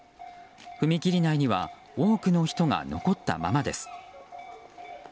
踏切内には多くの人が残ったままです。